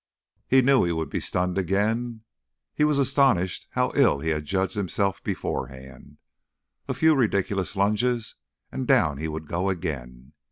He knew he would be stunned again. He was astonished how ill he had judged himself beforehand. A few ridiculous lunges, and down he would go again.